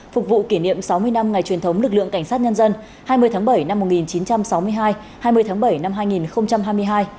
phục vụ kỷ niệm sáu mươi năm ngày truyền thống lực lượng cảnh sát nhân dân hai mươi tháng bảy năm một nghìn chín trăm sáu mươi hai hai mươi tháng bảy năm hai nghìn hai mươi hai